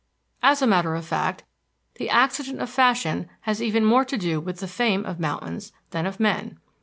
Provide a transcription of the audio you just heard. As a matter of fact, the accident of fashion has even more to do with the fame of mountains than of men.